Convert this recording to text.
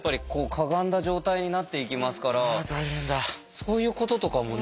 そういうこととかもね。